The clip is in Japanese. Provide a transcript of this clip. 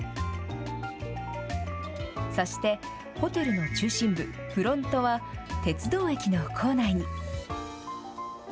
そしてホテルの中心部フロントは鉄道駅の構内に。